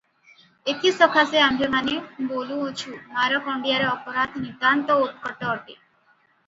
ଏଥିସକାଶେ ଆମ୍ଭେମାନେ ବୋଲୁଅଛୁଁ, ମାରକଣ୍ତିଆର ଅପରାଧ ନିତାନ୍ତ ଉତ୍କଟ ଅଟେ ।